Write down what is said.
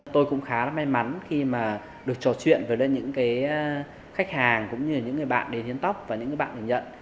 tôi cũng khá là may mắn khi mà được trò chuyện với những cái khách hàng cũng như những người bạn đến hiền tóc